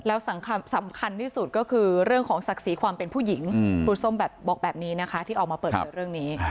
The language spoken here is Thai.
แล้วสำคัญที่สุดก็คือเรื่องของศักดิ์ศรีความเป็นผู้หญิงครูส้มแบบบอกแบบนี้นะคะที่ออกมาเปิดเผยเรื่องนี้